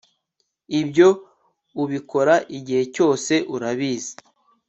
Ibyo ubikora igihe cyose urabizi